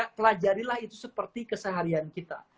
pelajarilah itu seperti keseharian kita